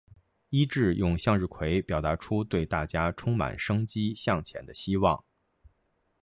伊秩用向日葵表达出对大家充满生机向前的希望。